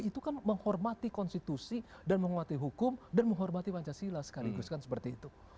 itu kan menghormati konstitusi dan menghormati hukum dan menghormati pancasila sekaligus kan seperti itu